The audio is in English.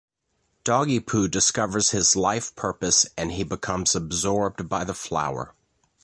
Doggy Poo discovers his life purpose and he becomes absorbed by the flower.